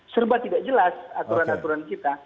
serba tidak jelas aturan aturan kita